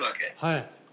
はい。